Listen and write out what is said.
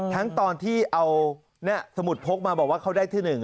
ทั้งตอนที่เอาสมุดพกมาบอกว่าเขาได้ที่หนึ่ง